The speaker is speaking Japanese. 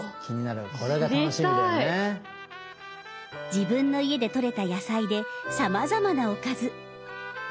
自分の家でとれた野菜でさまざまなおかず。